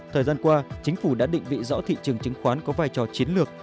thời gian qua chính phủ đã định vị rõ thị trường chứng khoán có vai trò chiến lược